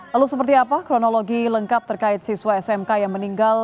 lalu seperti apa kronologi lengkap terkait siswa smk yang meninggal